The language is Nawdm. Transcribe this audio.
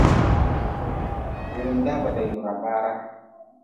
Wemdaa ba da yuhra baara.